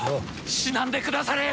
死なんでくだされや！